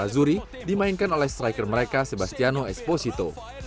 diperoleh oleh pemainnya razzuri dimainkan oleh striker mereka sebastiano esposito